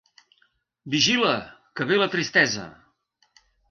Vigila, que ve la tristesa!